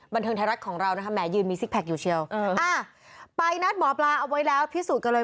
บันเทิงไทยรัฐของเรานะคะแหมยืนมีซิกแพคอยู่เชียวไปนัดหมอปลาเอาไว้แล้วพิสูจน์กันเลย